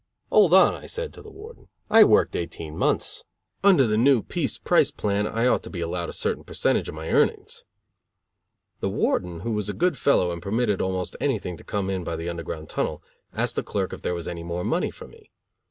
"Hold on," I said, to the Warden. "I worked eighteen months. Under the new piece price plan I ought to be allowed a certain percentage of my earnings." The Warden, who was a good fellow and permitted almost anything to come in by the Underground Tunnel, asked the clerk if there was any more money for me.